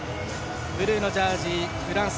ブルーのジャージ、フランス。